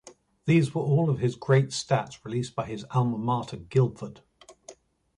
These were all of his great stats released by his alma mater Guilford.